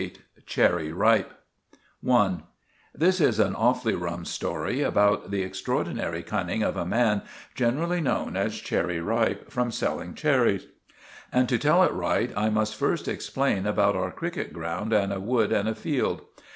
VIII* *'CHERRY RIPE'* *I* This is an awful rum story about the extraordinary cunning of a man generally known as 'Cherry Ripe,' from selling cherries; and to tell it right I must first explain about our cricket ground and a wood and a field.